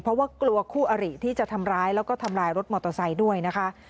เพราะว่ากลัวคู่อริที่จะทำร้ายแล้วก็ทำลายรถมอเตอร์ไซค์ด้วยนะคะ